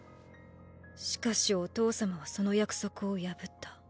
しかしお父様はその約束を破った。